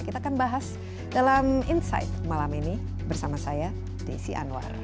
kita akan bahas dalam insight malam ini bersama saya desi anwar